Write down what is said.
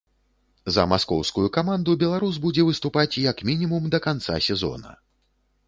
За маскоўскую каманду беларус будзе выступаць як мінімум да канца сезона.